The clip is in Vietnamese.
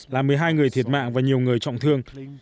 là một mươi hai người thiệt mạng và nhiều người trọng thương